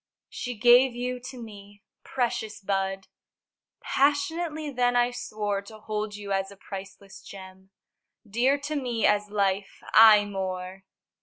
She gave you to me. Precious bud! Passionately then I swore To hold you as a priceless gem, Dear to me as life aye more!